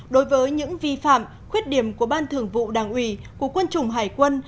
đối với những vi phạm khuyết điểm của ban thường vụ đảng ủy của quân chủng hải quân